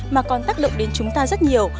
mà còn tác động đến chúng ta rất nhiều